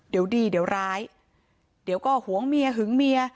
เดี๋ยวดีเดี๋ยวร้ายเดี๋ยวก็หวงเมียหึงเมีย